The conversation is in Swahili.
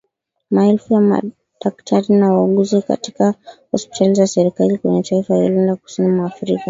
Maelfu ya madaktari na wauguzi katika hospitali za serikali kwenye taifa hilo la kusini mwa Afrika